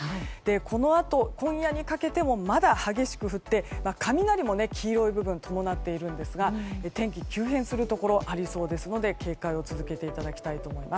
このあと今夜にかけてもまだ激しく降って雷も黄色い部分は伴っていますが天気急変するところがありそうですので警戒を続けていただきたいと思います。